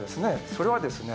それはですね